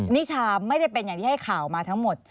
นิชาไม่ได้เป็นอย่างที่ให้ข่าวมาทั้งหมด